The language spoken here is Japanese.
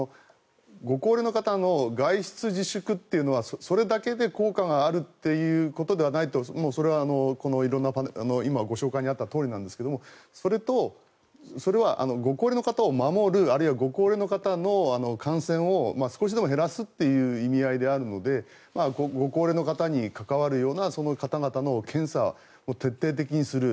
ご高齢の方の外出自粛というのはそれだけで効果があるということではないとそれはこの色んな今ご紹介にあったとおりなんですがそれとそれはご高齢の方を守るあるいはご高齢の方の感染を少しでも減らすという意味合いであるのでご高齢の方に関わるような方々の検査を徹底的にする。